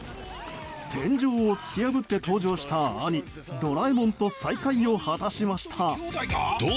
天井を突き破って登場した兄・ドラえもんとの再会を果たしました。